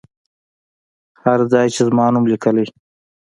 هر ځای چې زما نوم لیکلی.